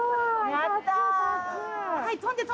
やった！